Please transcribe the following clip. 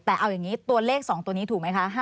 แต่เอาอย่างนี้ตัวเลข๒ตัวนี้ถูกไหมคะ